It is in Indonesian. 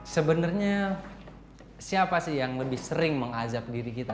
sebenarnya siapa sih yang lebih sering menghazab diri kita